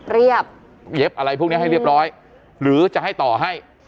เรียบเย็บอะไรพวกนี้ให้เรียบร้อยหรือจะให้ต่อให้